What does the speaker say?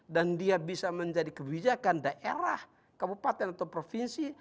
dan dia bisa menjadi kebijakan daerah kabupaten atau provinsi